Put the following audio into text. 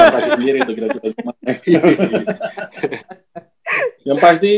saya pasti sendiri itu